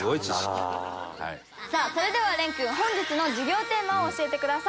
さあそれでは蓮君本日の授業テーマを教えてください。